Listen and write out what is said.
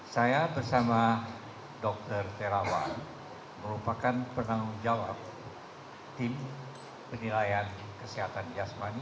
saya bersama dr terawan merupakan penanggung jawab tim penilaian kesehatan jasmani